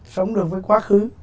sống được với quá khứ